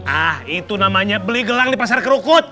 ah itu namanya beli gelang di pasar kerukut